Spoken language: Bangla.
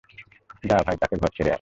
যা ভাই, তাকে ঘর ছেড়ে আয়।